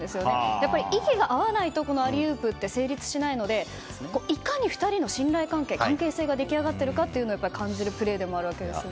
やっぱり息が合わないとアリウープって成立しないのでいかに２人の信頼関係、関係性が出来上がっているかというのを感じるプレーでもありますよね。